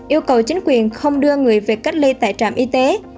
yêu cầu chính quyền không đưa người về cách ly tại trạm y tế